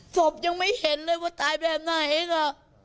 ศพยังไม่เห็นเลยว่าตายแบบไหนล่ะ